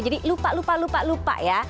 jadi lupa lupa lupa lupa ya